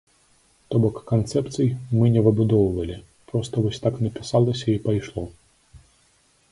То бок канцэпцый мы не выбудоўвалі, проста вось так напісалася і пайшло.